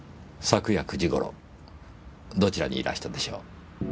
昨夜９時頃どちらにいらしたでしょう？